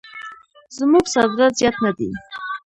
زموږ صادرات زیات نه دي.